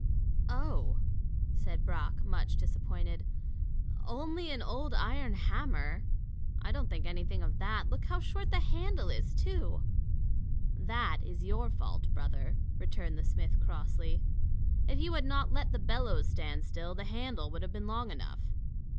"Oh!" said Brock, much disappointed, "only an old iron hammer! I don't think anything of that. Look how short the handle is, too." [Illustration: THE THIRD GIFT AN ENORMOUS HAMMER] "That is your fault, brother," returned the smith crossly. "If you had not let the bellows stand still, the handle would have been long enough.